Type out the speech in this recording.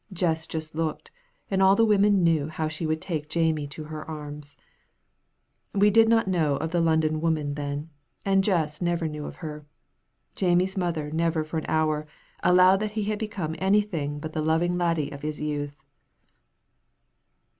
Jess just looked, and all the women knew how she would take Jamie to her arms. We did not know of the London woman then, and Jess never knew of her. Jamie's mother never for an hour allowed that he had become anything but the loving laddie of his youth.